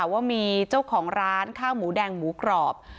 ว่ามีเจ้าของร้านข้าวหมูแดงหมูกรอบ